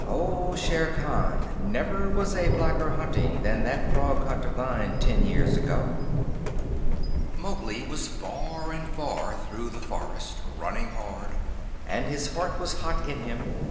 "Oh, Shere Khan, never was a blacker hunting than that frog hunt of thine ten years ago!" Mowgli was far and far through the forest, running hard, and his heart was hot in him.